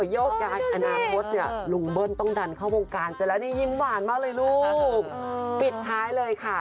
โยกย้ายอนาคตเนี่ยลุงเบิ้ลต้องดันเข้าวงการไปแล้วนี่ยิ้มหวานมากเลยลูกปิดท้ายเลยค่ะ